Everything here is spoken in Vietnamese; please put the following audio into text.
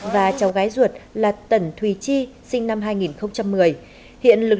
và cháu gái ruột là tần thùy chi sinh năm hai nghìn một mươi